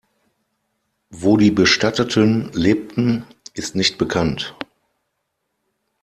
Wo die Bestatteten lebten, ist nicht bekannt.